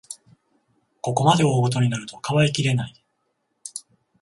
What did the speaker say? ここまで大ごとになると、かばいきれない